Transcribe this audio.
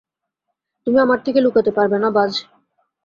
তুমি আমার থেকে লুকাতে পারবে না, বায।